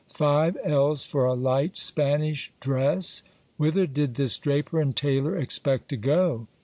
Five ells for a light Spanish dress ! Whither did this draper and tailor expect to go